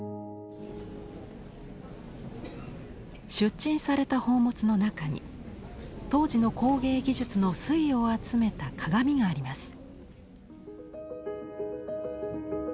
出陳された宝物の中に当時の工芸技術の粋を集めた鏡があります。